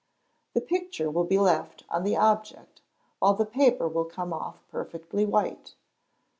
The picture will be left on the object, while the paper will come off perfectly white.